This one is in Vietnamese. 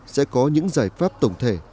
sẽ có những giải pháp tổng thể